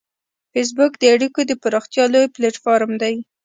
فېسبوک د اړیکو د پراختیا لوی پلیټ فارم دی